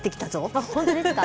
あっ本当ですか？